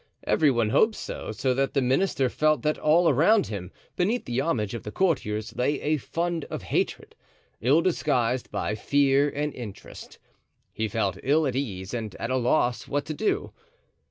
Every one hoped so, so that the minister felt that all around him, beneath the homage of the courtiers, lay a fund of hatred, ill disguised by fear and interest. He felt ill at ease and at a loss what to do.